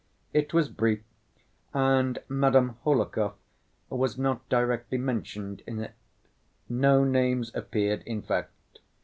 It was brief, and Madame Hohlakov was not directly mentioned in it. No names appeared, in fact.